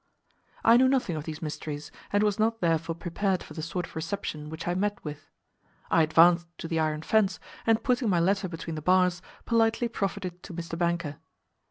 I knew nothing of these mysteries, and was not therefore prepared for the sort of reception which I met with. I advanced to the iron fence, and putting my letter between the bars, politely proffered it to Mr. Banker.